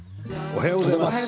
おはようございます。